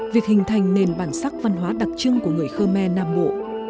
việc hình thành nền bản sắc văn hóa đặc trưng của người khmer nam bộ